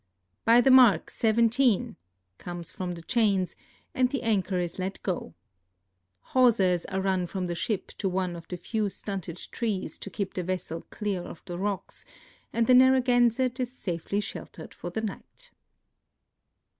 "By the mark, seventeen! " comes from the chains, and the anchor is let go. Hawsers are run from the ship to one of the few stunted trees to keep the vessel clear of the rocks, and the Narragansett is safely sheltered for the night.